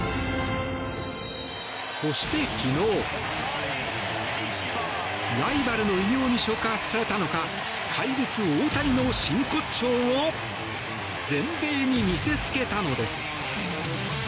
そして、昨日ライバルの偉業に触発されたのか怪物・大谷の真骨頂を全米に見せつけたのです。